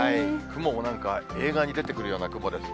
雲もなんか、映画に出てくるような雲です。